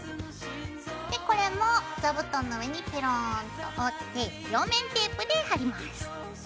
でこれも座布団の上にペローンと折って両面テープで貼ります。